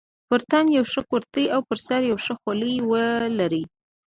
پر تن یوه ښه کورتۍ او پر سر یوه ښه خولۍ ولري.